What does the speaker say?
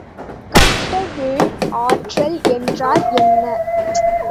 கட்டவிழ் ஆற்றல் என்றால் என்ன?